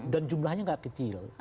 dan jumlahnya gak kecil